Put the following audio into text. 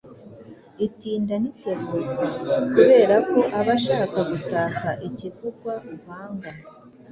itinda n’ibanguka. Kubera ko aba ashaka gutaka ikivugwa, uhanga